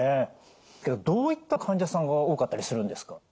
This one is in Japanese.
どういった患者さんが多かったりするんですか？